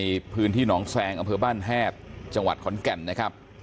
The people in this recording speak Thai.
ในพื้นที่หนองแซงอำเภอบ้านแฮดจังหวัดขอนแก่นนะครับ